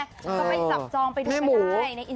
สะพายจับจองไปดูกันได้